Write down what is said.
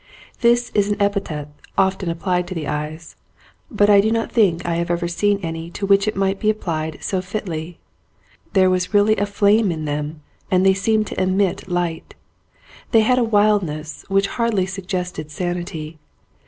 That is an epithet often applied to eyes, but I do not think I have ever seen any to which it might be applied so fitly. There was really a flame in them and they seemed to emit light. They had a wildness which hardly sug gested sanity.